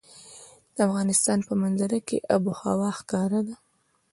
د افغانستان په منظره کې آب وهوا ښکاره ده.